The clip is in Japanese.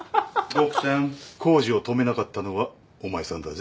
ボクちゃん工事を止めなかったのはお前さんだぜ。